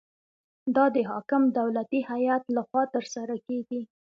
دا د حاکم دولتي هیئت لخوا ترسره کیږي.